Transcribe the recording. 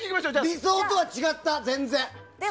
理想とは違った、全然。